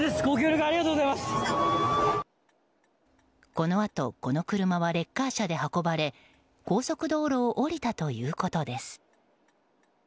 このあと、この車はレッカー車で運ばれ高速道路を降りたということです。